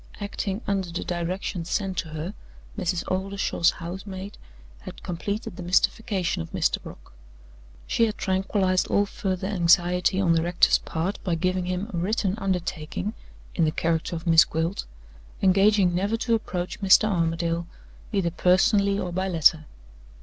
Acting under the directions sent to her, Mrs. Oldershaw's house maid had completed the mystification of Mr. Brock. She had tranquilized all further anxiety on the rector's part by giving him a written undertaking (in the character of Miss Gwilt), engaging never to approach Mr. Armadale, either personally or by letter!